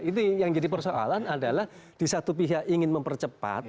ini yang jadi persoalan adalah di satu pihak ingin mempercepat